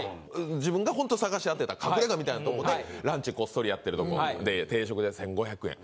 自分がほんと探しあてた隠れ家みたいなとこでランチこっそりやってるとこで定食で１５００円。